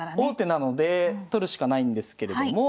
王手なので取るしかないんですけれども。